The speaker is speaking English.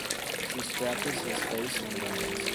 She scratches his face and runs.